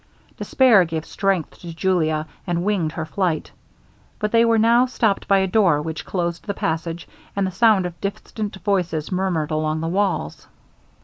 Despair gave strength to Julia, and winged her flight. But they were now stopped by a door which closed the passage, and the sound of distant voices murmured along the walls.